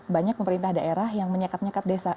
banyak pemerintah daerah yang menyekat nyekat desa